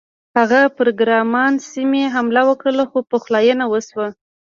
هغه پر ګرمان سیمې حمله وکړه خو پخلاینه وشوه.